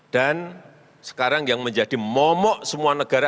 sekarang yang menjadi momok semua negara